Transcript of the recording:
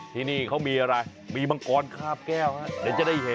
ทีนี่เขามีอะไรมีบางกรคราบแก้วจะได้เห็น